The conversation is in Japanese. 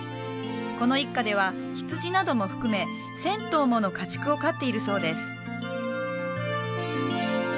この一家では羊なども含め１０００頭もの家畜を飼っているそうです